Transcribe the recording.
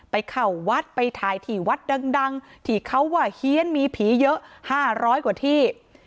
ไปเข้าวัดไปถ่ายที่วัดดังที่เขาว่าเฮียนมีผีเยอะ๕๐๐กว่าที่